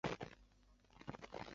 小臭鼩为鼩鼱科臭鼩属的动物。